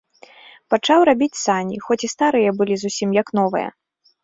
Пачаў рабіць сані, хоць і старыя былі зусім як новыя.